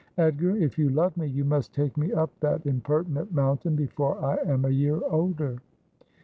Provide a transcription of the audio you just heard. Edgar, if you love me, you must take me up that impertinent mountain before I am a year older.'